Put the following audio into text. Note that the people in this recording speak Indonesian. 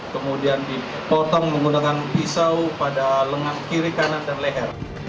kemudian dipotong menggunakan pisau pada lengan kiri kanan dan leher